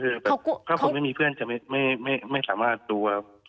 ใช่เพราะว่าคนไม่มีเพื่อนจะไม่สามารถรู้